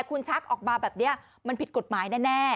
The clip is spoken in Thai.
คุณชักออกมาแบบนี้มันผิดกฎหมายแน่